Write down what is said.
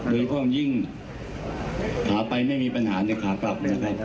โดยพร้อมยิ่งขาไปไม่มีปัญหาในขากลับนะครับ